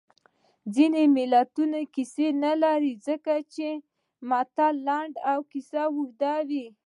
ځینې متلونه کیسې نه لري ځکه چې متل لنډ او کیسه اوږده وي